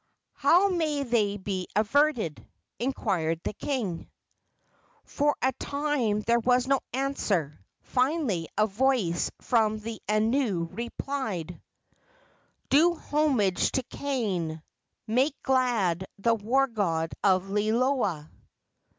"How may they be averted?" inquired the king. For a time there was no answer. Finally a voice from the anu replied: "Do homage to Kane; make glad the war god of Liloa!"